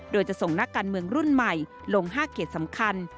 โดยจะส่งนักการเมืองรุ่นใหม่ลง๕เขตสำคัญ